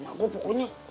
emak gue pokoknya